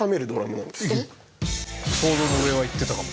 想像の上は行ってたかも。